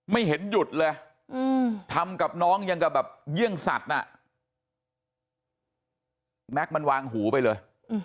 ไม่เห็นหยุดเลยทำกับน้องยังก็แบบเยี่ยงแม็คมันวางหูไปเลย